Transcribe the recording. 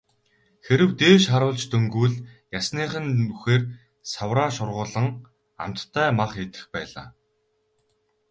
Хэрэв дээш харуулж дөнгөвөл ясных нь нүхээр савраа шургуулан амттай мах идэх байлаа.